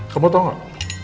kamu tahu nggak